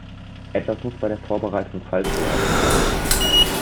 Etwas muss bei der Vorbereitung falsch gelaufen sein.